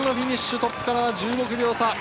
トップからは１６秒差。